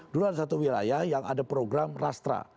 dulu ada satu wilayah yang ada program rastra